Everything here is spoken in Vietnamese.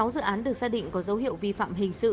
sáu dự án được xác định có dấu hiệu vi phạm hình sự